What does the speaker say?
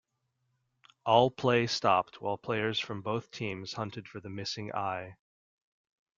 All play stopped while players from both teams hunted for the missing eye.